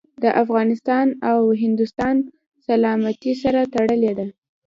د افغانستان او هندوستان سلامتي سره تړلي دي.